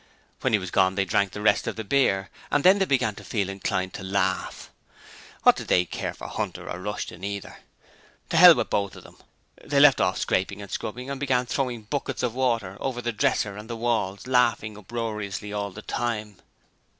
When he was gone they drank the rest of the beer and then they began to feel inclined to laugh. What did they care for Hunter or Rushton either? To hell with both of 'em! They left off scraping and scrubbing, and began throwing buckets of water over the dresser and the walls, laughing uproariously all the time.